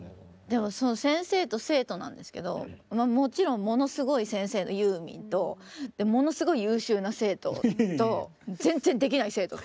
でも先生と生徒なんですけどもちろんものすごい先生のユーミンとものすごい優秀な生徒と全然できない生徒。